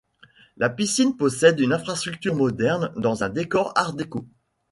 La piscine possède une infrastructure moderne dans un décor Art déco.